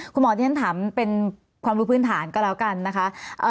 คุณหมอที่ฉันถามเป็นความรู้พื้นฐานก็แล้วกันนะคะ